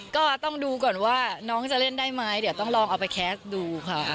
ก็ต้องดูก่อนว่าน้องจะเล่นได้ไหมเดี๋ยวต้องลองเอาไปแคสต์ดูค่ะ